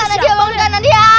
kanan dia bangun kanan dia